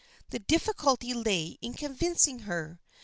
The difficulty lay in convincing her.